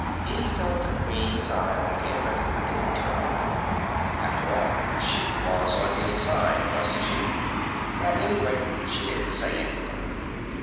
He felt the Queen's eye on him but didn't turn around. After all, she was on his side wasn't she? At any rate, she didn't say anything.